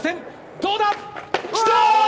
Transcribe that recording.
どうだ。